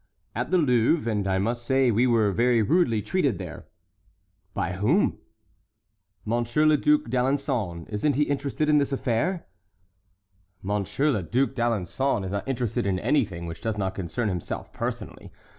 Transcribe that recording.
"At the Louvre, and I must say we were very rudely treated there." "By whom?" "Monsieur le Duc d'Alençon. Isn't he interested in this affair?" "Monseigneur le Duc d'Alençon is not interested in anything which does not concern himself personally.